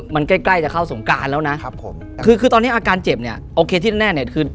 มันใกล้จะเข้าสงการแล้วนะคือตอนนี้อาการเจ็บเนี่ยโอเคที่แน่เนี่ย